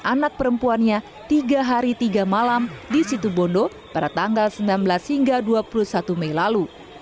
anak perempuannya tiga hari tiga malam di situ bondo pada tanggal sembilan belas hingga dua puluh satu mei lalu